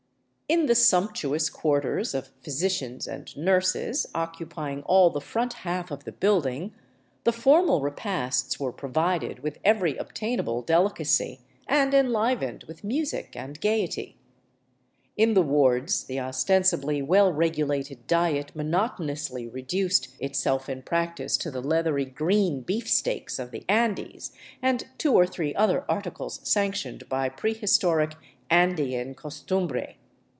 In the sumptuous quarters of physicians and nurses, occupying all the front half of the building, the formal repasts were provided with every obtainable delicacy, and enlivened with music and gaiety. In the wards the ostensibly well regulated diet monotonously reduced it self in practice to the leathery " green " beefsteaks of the Andes and two or three other articles sanctioned by prehistoric Andean costiimbre.